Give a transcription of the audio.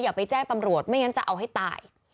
ไปแจ้งตำรวจไม่งั้นจะเอาให้ตาย